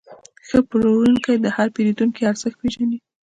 ښه پلورونکی د هر پیرودونکي ارزښت پېژني.